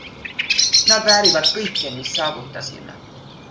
Nad väärivad kõike, mis saavutasime.